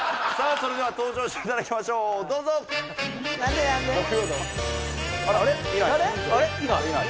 それでは登場していただきましょうどうぞなんでなんで？